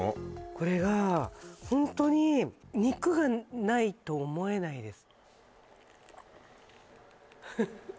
これがホントに肉がないと思えないです